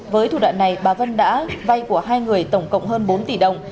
với thủ đoạn này bà vân đã vay của hai người tổng cộng hơn bốn tỷ đồng